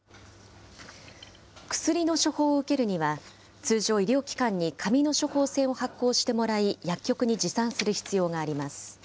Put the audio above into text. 薬の処方を受けるには、通常、医療機関に紙の処方箋を発行してもらい、薬局に持参する必要があります。